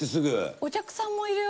お客さんもいるよ。